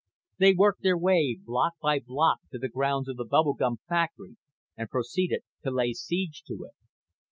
They worked their way block by block to the grounds of the bubble gum factory and proceeded to lay siege to it.